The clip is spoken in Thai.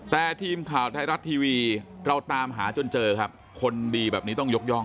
แต่ทีมข่าวไทยรัฐทีวีเราตามหาจนเจอครับคนดีแบบนี้ต้องยกย่อง